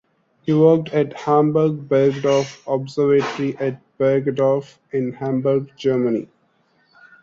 He worked at Hamburg-Bergedorf Observatory at Bergedorf, in Hamburg, Germany.